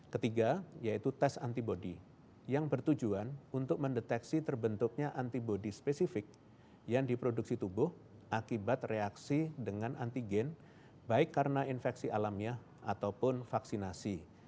ketiga yaitu tes antibody yang bertujuan untuk mendeteksi terbentuknya antibody spesifik yang diproduksi tubuh akibat reaksi dengan antigen baik karena infeksi alamnya ataupun vaksinasi